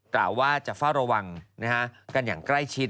กล่าวว่าจะเฝ้าระวังกันอย่างใกล้ชิด